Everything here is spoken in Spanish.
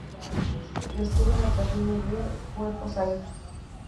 Estuvo en la Tragedia de Puerto Saíd.